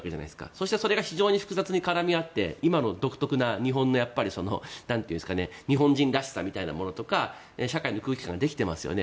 そしてそれが非常に複雑に絡み合って、今の独特な日本の日本人らしさみたいなものとか社会の空気感ができていますよね。